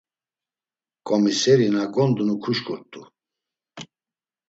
Ǩomiseri na gondunu kuşǩurt̆u.